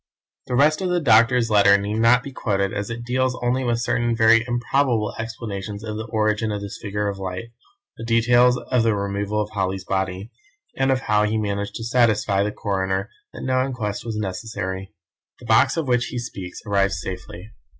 The rest of the doctor's letter need not be quoted as it deals only with certain very improbable explanations of the origin of this figure of light, the details of the removal of Holly's body, and of how he managed to satisfy the coroner that no inquest was necessary. The box of which he speaks arrived safely.